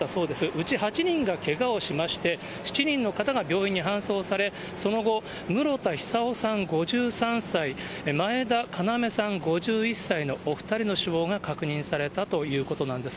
うち８人がけがをしまして、７人の方が病院に搬送され、その後、室田久生さん５３歳、前田要さん５１歳のお２人の死亡が確認されたということなんです。